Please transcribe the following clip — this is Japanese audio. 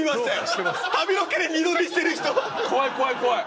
怖い怖い怖い！